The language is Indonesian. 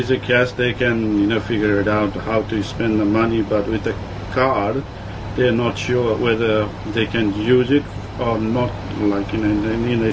jika ada uang tunai mereka bisa mencari cara untuk membeli uang tapi dengan kartu mereka tidak yakin apakah mereka bisa menggunakannya atau tidak